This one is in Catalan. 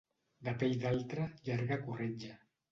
De pell d'altre, llarga corretja.